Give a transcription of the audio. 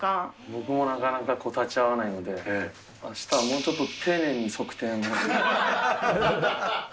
僕もなかなか立ち会わないので、あしたはもうちょっと丁寧に側転しよう。